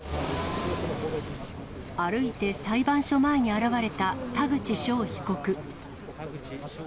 歩いて裁判所前に現れた田口翔被告。